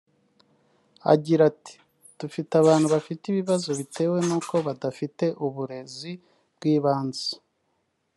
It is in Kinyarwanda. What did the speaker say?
Agrira ati “Dufite abantu bafite ibibazo bitewe nuko badafite uburezi bw’ibanze